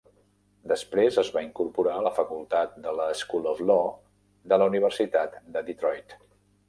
Després es va incorporar a la facultat de la School of Law de la Universitat de Detroit.